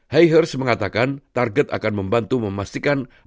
hers mengatakan target akan membantu memastikan